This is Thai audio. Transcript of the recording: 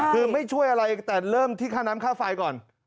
คือไม่ช่วยอะไรแต่เริ่มที่ค่าน้ำค่าไฟก่อน